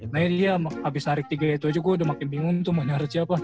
nah iya abis narik tiga itu aja gue udah makin bingung tuh mau nyari siapa